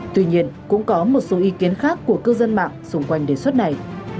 tuy nhiên cũng có một số ý kiến khác của cư dân mạng xung quanh đề xuất này